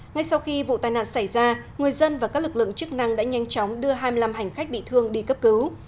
ngay sau khi vụ tai nạn xảy ra người dân và các lực lượng chức năng đã nhanh chóng đưa hai mươi năm hành khách bị thương đi cấp cứu